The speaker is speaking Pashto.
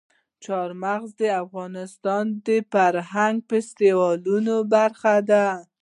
چار مغز د افغانستان د فرهنګي فستیوالونو برخه ده.